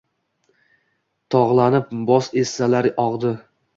Toʼgʼlanib boz eslari ogʼdi